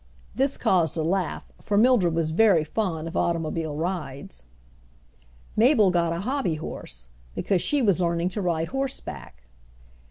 This caused a laugh, for Mildred was very fond of automobile rides. Mabel got a hobby horse because she was learning to ride horseback.